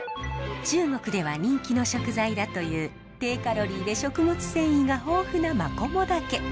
中国では人気の食材だという低カロリーで食物繊維が豊富なマコモダケ。